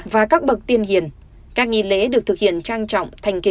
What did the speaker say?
và các bậc tiên hiền